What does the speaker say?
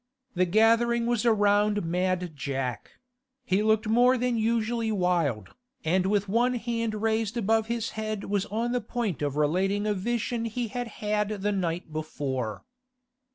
The gathering was around Mad Jack; he looked more than usually wild, and with one hand raised above his head was on the point of relating a vision he had had the night before.